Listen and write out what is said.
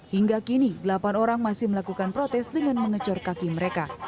hingga kini delapan orang masih melakukan protes dengan mengecor kaki mereka